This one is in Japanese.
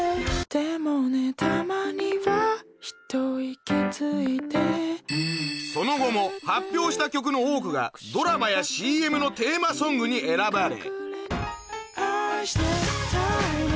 でもね、たまには一息ついてその後も発表した曲の多くがドラマや ＣＭ のテーマソングに選ばれ